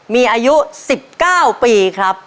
มีอายุ๑๙ปีครับ